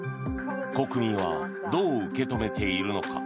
国民はどう受け止めているのか。